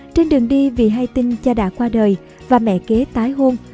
trên đường đi vì hay tin cha đã qua đời và mẹ kế tái hôn